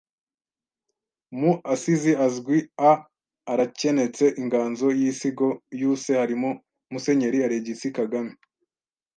Mu asizi azwi a arakenetse inganzo y’iisigo y’uuse harimo Musenyeri Alegisi Kagame